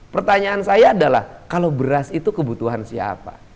pertanyaan saya adalah kalau beras itu kebutuhan siapa